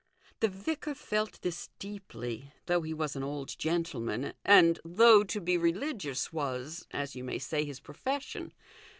The vicar felt this deeply, though he was an old gentleman, and though to be religious was, as you may say, his profession.